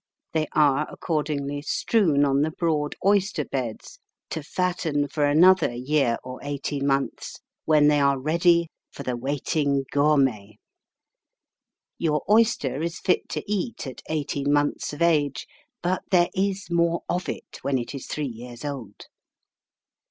They are accordingly strewn on the broad oyster beds, to fatten for another year or eighteen months, when they are ready for the waiting gourmet. Your oyster is fit to eat at eighteen months of age; but there is more of it when it is three years old.